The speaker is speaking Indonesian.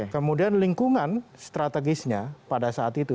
kemudian lingkungan strategisnya pada saat itu